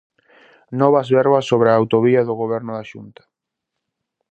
Novas verbas sobre a autovía do goberno da Xunta.